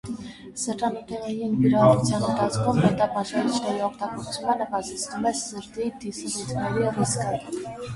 Սրտանոթային վիրահատության ընթացքում բետա պաշարիչների օգտագործումը նվազեցնում է սրտի դիսռիթմերի ռիսկը։